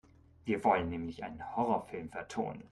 Wir wollen nämlich einen Horrorfilm vertonen.